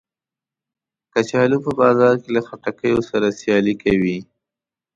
کچالو په بازار کې له خټکیو سره سیالي کوي